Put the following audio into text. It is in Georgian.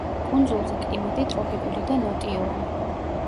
კუნძულზე კლიმატი ტროპიკული და ნოტიოა.